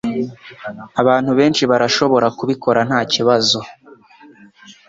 Abantu benshi barashobora kubikora nta kibazo.